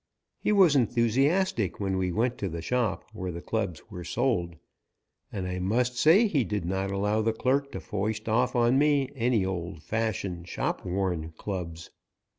He was enthusiastic when we went to the shop where clubs were sold, and I must say he did not allow the clerk to foist off on me any old fashioned, shopworn clubs.